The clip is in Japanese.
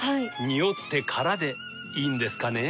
ニオってからでいいんですかね？